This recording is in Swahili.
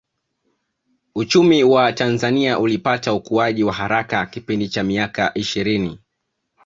Uchumi wa Tanzania ulipata ukuaji wa haraka kipindi cha miaka ishirini